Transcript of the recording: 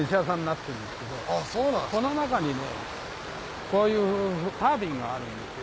この中にこういうタービンがあるんですよ。